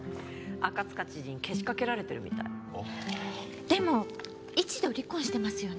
赤塚知事にけしかけられてるみたいでも一度離婚してますよね